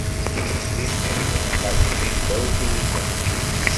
Quin mètode de pagament vol utilitzar?